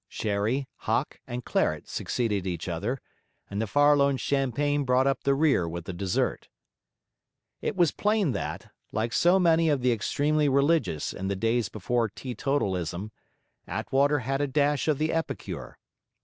Sherry, hock, and claret succeeded each other, and the Farallone champagne brought up the rear with the dessert. It was plain that, like so many of the extremely religious in the days before teetotalism, Attwater had a dash of the epicure.